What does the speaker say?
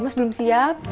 mas belum siap